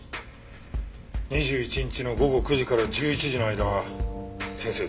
２１日の午後９時から１１時の間先生